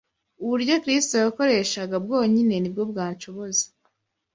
Uburyo Kristo yakoreshaga bwonyine ni bwo bwashoboza